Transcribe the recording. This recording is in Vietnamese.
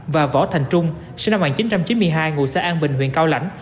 và võ thành trung sinh năm một nghìn chín trăm chín mươi hai ngụ xã an bình huyện cao lãnh